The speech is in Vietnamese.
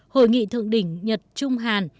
hội nghị thượng đỉnh nhật trung hàn